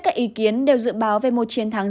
các ý kiến đều dự báo về một chiến thắng